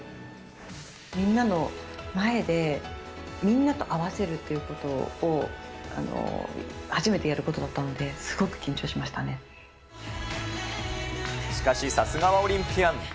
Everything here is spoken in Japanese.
みんなの前で、みんなと合わせるということを初めてやることだったんで、すごくしかし、さすがはオリンピアン。